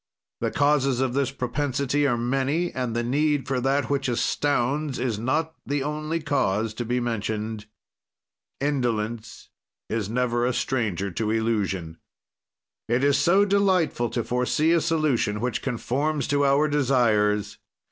"The causes of this propensity are many and the need for that which astounds is not the only cause to be mentioned. "Indolence is never a stranger to illusion. "It is so delightful to foresee a solution which conforms to our desires!